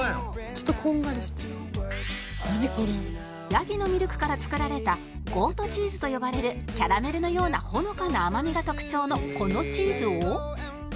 ヤギのミルクから作られたゴートチーズと呼ばれるキャラメルのようなほのかな甘みが特徴のこのチーズを